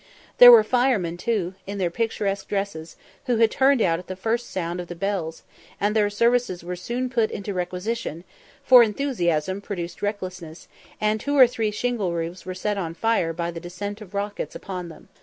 There were firemen, too, in their picturesque dresses, who had turned out at the first sound of the bells, and their services were soon put in requisition, for enthusiasm produced recklessness, and two or three shingle roofs were set on fire by the descent of rockets upon them.